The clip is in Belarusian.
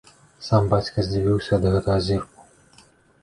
Сам бацька здзівіўся ад гэтага зірку.